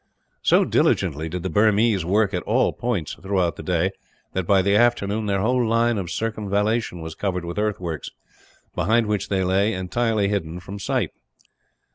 So diligently did the Burmese work at all points throughout the day that, by the afternoon, their whole line of circumvallation was covered with earthworks; behind which they lay, entirely hidden from sight.